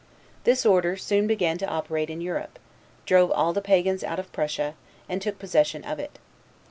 This order soon began to operate in Europe; drove all the Pagans out of Prussia, and took possession of it.